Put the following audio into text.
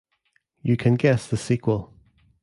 You can guess the sequel.